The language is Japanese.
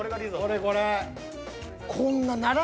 これこれ。